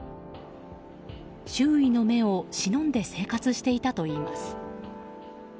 周囲の目を忍んで生活していたといいます。